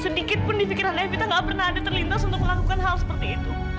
sedikit pun di pikiran saya gak pernah ada terlintas untuk melakukan hal seperti itu